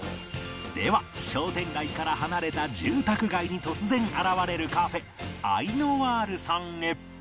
では商店街から離れた住宅街に突然現れるカフェ Ａｉｌｎｏｉｒ さんへ